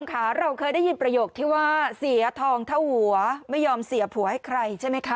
ค่ะเราเคยได้ยินประโยคที่ว่าเสียทองเท่าหัวไม่ยอมเสียผัวให้ใครใช่ไหมคะ